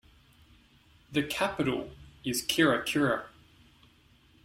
The capital is Kirakira.